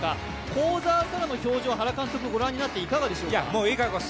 幸澤沙良の表情、原監督、ご覧になっていかがですか。